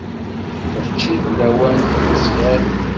Mačči d lawan n tmesxiṛ.